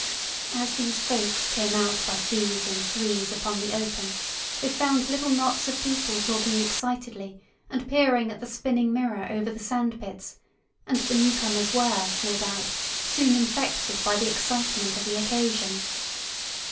As these folks came out by twos and threes upon the open, they found little knots of people talking excitedly and peering at the spinning mirror over the sand pits, and the newcomers were, no doubt, soon infected by the excitement of the occasion.